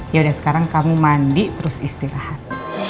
yaudah sekarang kamu mandi terus istirahat